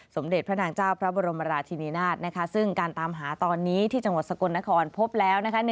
สมเด็จพระนางเจ้าพระบรมราชินินาศซึ่งการตามหาตอนนี้ที่จังหวัดสกลนครพบแล้วนะคะ